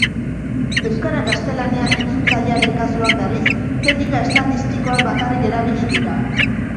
Euskara-gaztelania itzultzailearen kasuan, berriz, teknika estatistikoak bakarrik erabili dira.